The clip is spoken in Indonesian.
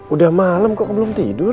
udah malam kok belum tidur